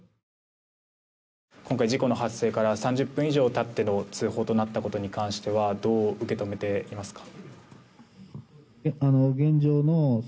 今回事故の発生から３０分以上経っての通報となったことに関してはどう受け止めていますか。